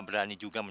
bukan tahu juga pak